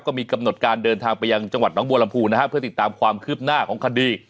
ก็มีกำหนดการเดินทางไปยังจังหวัดน้องบัวลำพูนะฮะเพื่อติดตามความคืบหน้าของคดี